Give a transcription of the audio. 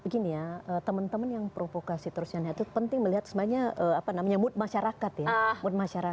gini ya teman teman yang provokasi terusnya itu penting melihat semuanya mood masyarakat ya